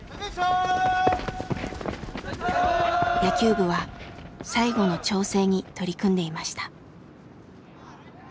野球部は最後の調整に取り組んでいました。